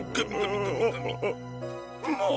もう！